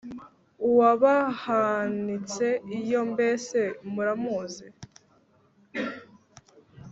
Uwabahanitse iyo mbese muramuzi?,